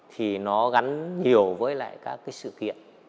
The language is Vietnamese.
thì nó gắn nhiều với lại các cái sự kiện